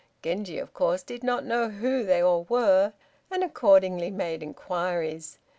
Genji, of course, did not know who they all were, and accordingly made inquiries.